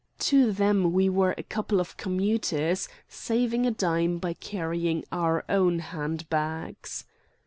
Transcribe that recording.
To them we were a couple of commuters saving a dime by carrying our own hand bags.